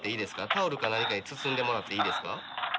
タオルか何かに包んでもらっていいですか。